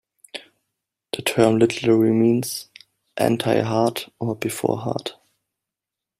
The term literally means "anti heart" or "before heart".